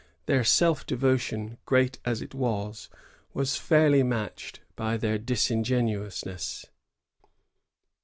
Their self devotion, great as it was, was fairly matched by their disingenuousness.